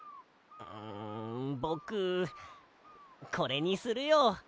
んぼくこれにするよ。